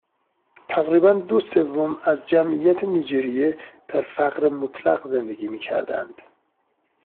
تقریباً دو سوم از جمعیت نیجریه در فقر مطلق زندگی میکردند